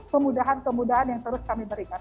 kemudahan kemudahan yang terus kami berikan